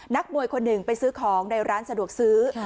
นักมวยคนหนึ่งไปซื้อของในร้านสะดวกซื้อ